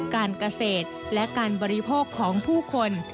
การเกษตรและการบริโภคของผู้คน